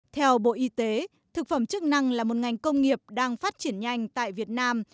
theo bộ y tế thực phẩm chức năng là một ngành công nghiệp đang phát triển nhanh tại việt nam